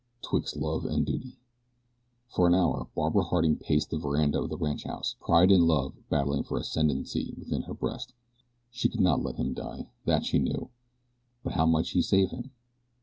'TWIXT LOVE AND DUTY FOR an hour Barbara Harding paced the veranda of the ranchhouse, pride and love battling for the ascendency within her breast. She could not let him die, that she knew; but how might she save him?